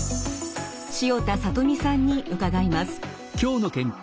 塩田智美さんに伺います。